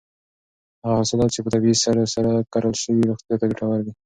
هغه حاصلات چې په طبیعي سرو سره کرل شوي روغتیا ته ګټور دي.